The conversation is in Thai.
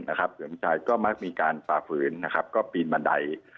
เหมือนกันก็มักมีการปลาฝืนก็ปีนบันได